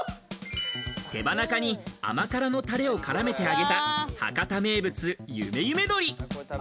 手羽中に甘辛のタレを絡めて揚げた博多名物・努努鶏。